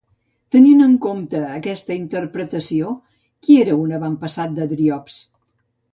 Tenint en compte aquesta interpretació, qui era un avantpassat de Driops?